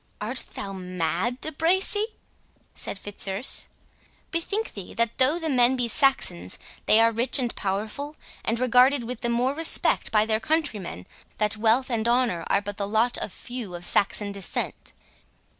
"Art thou mad, De Bracy?" said Fitzurse. "Bethink thee that, though the men be Saxons, they are rich and powerful, and regarded with the more respect by their countrymen, that wealth and honour are but the lot of few of Saxon descent."